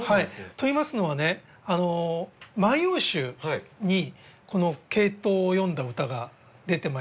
といいますのはね「万葉集」にこのケイトウを詠んだ歌が出てまいりましてね。